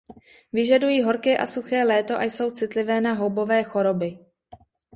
Vyžadují horké a suché léto a jsou citlivé na houbové choroby.